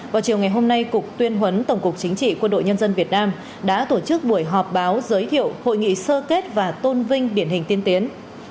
vào chiều ngày hôm nay cục tuyên huấn tổng cục chính trị quân đội nhân dân việt nam đã tổ chức buổi họp báo giới thiệu hội nghị sơ kết và tôn vinh điển hình tiên tiến